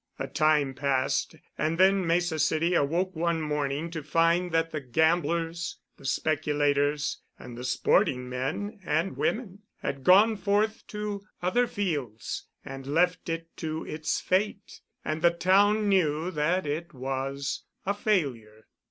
A time passed, and then Mesa City awoke one morning to find that the gamblers, the speculators, and the sporting men (and women) had gone forth to other fields, and left it to its fate, and the town knew that it was a failure.